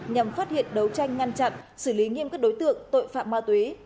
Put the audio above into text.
nhằm phát hiện đấu tranh ngăn chặn xử lý nghiêm các đối tượng tội phạm ma túy